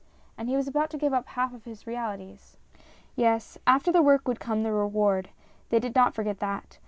And he was about to give up half his realities. Yes, after the work would come the reward ; they did not forget that.